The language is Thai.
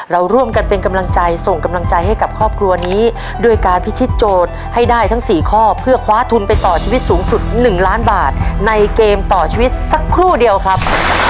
เราร่วมกันเป็นกำลังใจส่งกำลังใจให้กับครอบครัวนี้ด้วยการพิชิตโจทย์ให้ได้ทั้ง๔ข้อเพื่อคว้าทุนไปต่อชีวิตสูงสุด๑ล้านบาทในเกมต่อชีวิตสักครู่เดียวครับ